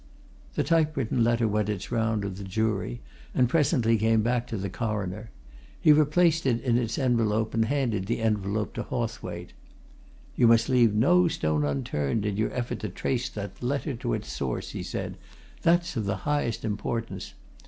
The typewritten letter went its round of the jury and presently came back to the Coroner. He replaced it in its envelope and handed the envelope to Hawthwaite. "You must leave no stone unturned in your effort to trace that letter to its source," he said. "That's of the highest importance.